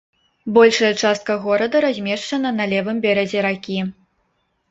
Большая частка горада размешчана на левым беразе ракі.